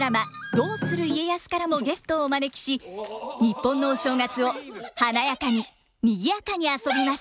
「どうする家康」からもゲストをお招きし日本のお正月を華やかににぎやかに遊びます。